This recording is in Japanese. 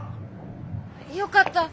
よかった。